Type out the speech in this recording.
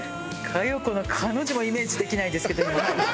佳代子の「佳」の字もイメージできないですけども。